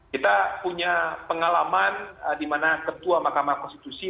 kita punya pengalaman di mana ketua mahkamah konstitusi